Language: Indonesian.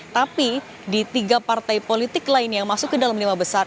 tapi di tiga partai politik lain yang masuk ke dalam lima besar